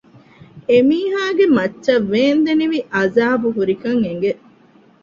އެމީހާގެ މައްޗަށް ވޭންދެނިވި ޢަޛާބު ހުރިކަން އެނގެ